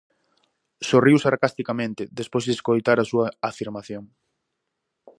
Sorriu sarcasticamente despois de escoitar a súa afirmación.